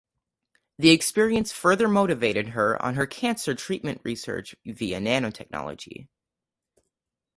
The experience further motivated her on her cancer treatment research via nanotechnology.